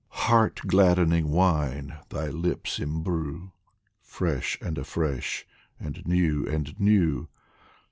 Heart gladdening wine thy lips imbrue, Fresh and afresh and new and new